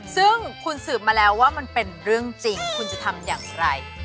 ซึ่งคุณสืบมาแล้วว่ามันเป็นเรื่องจริงคุณจะทำอย่างไร